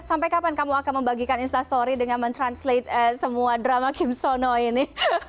sampai kapan kamu akan membagikan instastory dengan mentranslate semua drama kim sono ini